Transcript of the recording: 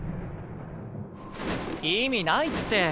意味ないって。